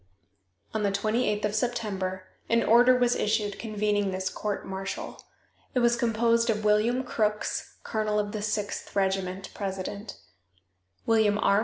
On the 28th of September an order was issued convening this court martial. It was composed of William Crooks, colonel of the Sixth Regiment, president; William R.